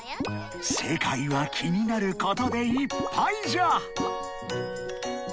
世界は気になることでいっぱいじゃ。